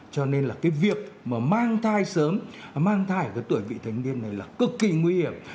cho nên là cái việc mà mang thai sớm mang thai ở cái tuổi vị thành niên này là cực kỳ nguy hiểm